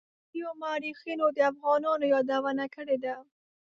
پردیو مورخینو د افغانانو یادونه کړې ده.